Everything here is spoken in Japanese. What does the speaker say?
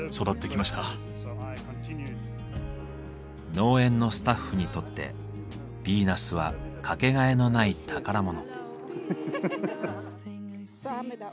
農園のスタッフにとってヴィーナスは掛けがえのない宝物。